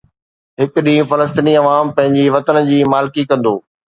هڪ ڏينهن فلسطيني عوام پنهنجي وطن جي مالڪي ڪندو